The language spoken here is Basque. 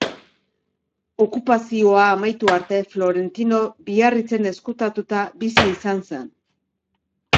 Okupazioa amaitu arte Florentino Biarritzen ezkutatuta bizi izan zen.